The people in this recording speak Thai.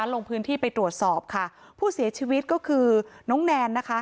ลงพื้นที่ไปตรวจสอบค่ะผู้เสียชีวิตก็คือน้องแนนนะคะ